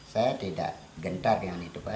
saya tidak gentar dengan itu pak